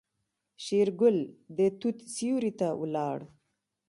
شېرګل د توت سيوري ته ولاړ.